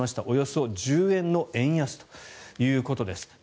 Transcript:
およそ１０円の円安ということです。